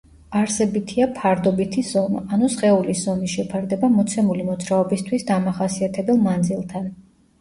არსებითია ფარდობითი ზომა, ანუ სხეულის ზომის შეფარდება მოცემული მოძრაობისთვის დამახასიათებელ მანძილთან.